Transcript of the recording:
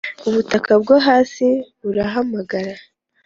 ubutaka bwo hasi burahamagara